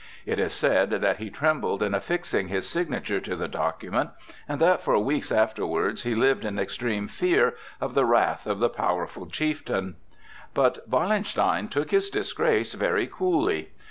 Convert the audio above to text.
It is said that he trembled in affixing his signature to the document, and that for weeks afterwards he lived in extreme fear of the wrath of the powerful chieftain. But Wallenstein took his disgrace very coolly.